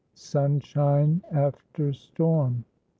SUNSHINE AFTER STORM.